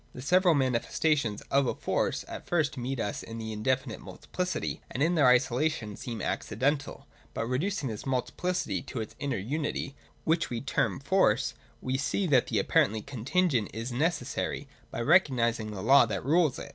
The several manifestations of a force at first meet us in indefinite multiplicity, and in their isolation seem acci dental : but, reducing this multiplicity to its inner unity, which we term force, we see that the apparently contingent is necessary, by recognising the law that rules it.